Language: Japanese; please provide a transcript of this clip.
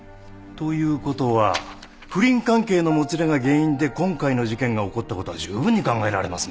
という事は不倫関係のもつれが原因で今回の事件が起こった事は十分に考えられますね？